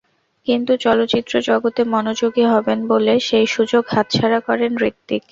কিন্তু চলচ্চিত্র জগতে মনোযোগী হবেন বলে সেই সুযোগ হাতছাড়া করেন হৃতিক।